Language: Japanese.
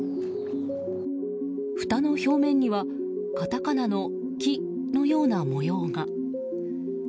ふたの表面にはカタカナの「キ」のような模様が。